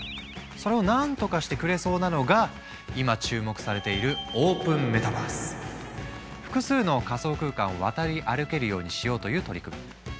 それを何とかしてくれそうなのが今注目されている複数の仮想空間を渡り歩けるようにしようという取り組み。